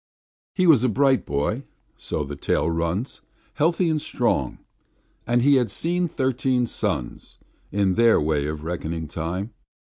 He was a bright boy, so the tale runs, healthy and strong, and he had seen thirteen suns, in their way of reckoning time.